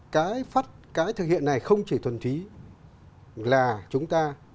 cái thực hiện này không chỉ thuần trí là chúng ta